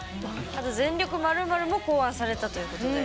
あと「全力〇〇」も考案されたということで。